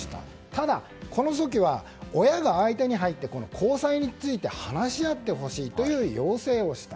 ただ、この時は親が相手に入って交際について話し合ってほしいという要請をした。